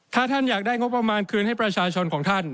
ถ้าท่านอยากได้งบประมาณคืนให้ประชาชนของท่าน